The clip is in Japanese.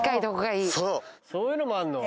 そういうのもあんの？